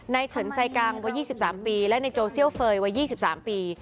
ในเฉินไซกังว่า๒๓ปีและในโจเซี่ยลเฟย์ว่า๒๓ปี